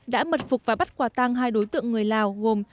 đã mật phục và bắt quả tăng hai đối tượng người lào gồm